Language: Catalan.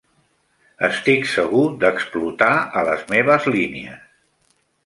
Estic segur d'explotar a les meves línies.